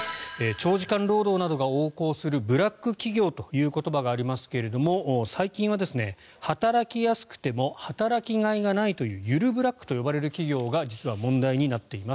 長時間労働などが横行するブラック企業という言葉がありますが最近は働きやすくても働きがいがないというゆるブラックといわれる企業が実は問題になっています。